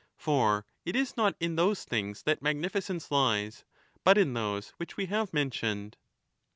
For it is not in those things that magnificence lies, but in those which we have mentioned.